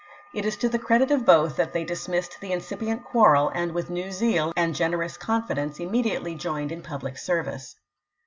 It is to the credit of both that they dismissed the incip ient quarrel and with new zeal and generous con fidence immediately joined in public service.